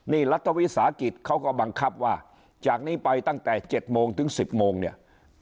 นี่รัฐวิสาหกิจเขาก็บังคับว่าจากนี้ไปตั้งแต่๗โมงถึง๑๐โมงเนี่ย